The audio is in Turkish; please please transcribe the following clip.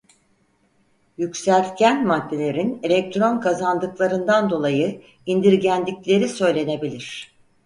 Yükseltgen maddelerin elektron kazandıklarından dolayı indirgendikleri söylenebilir.